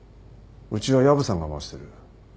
うちは薮さんが回してる。